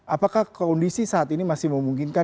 apakah kondisi saat ini masih memungkinkan